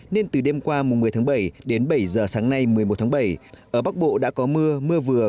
nên từ đêm qua một mươi tháng bảy đến bảy giờ sáng nay một mươi một tháng bảy ở bắc bộ đã có mưa mưa vừa